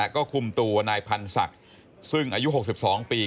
ก็คุมตัวนายพันธ์ศักดิ์ซึ่งอายุ๖๒ปี